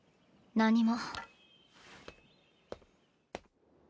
何も。